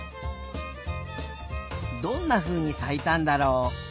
どんなふうにさいたんだろう？